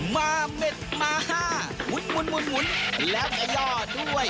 มาเม็ดมา๕หมุนแล้วก็ย่อด้วย